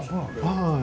はい。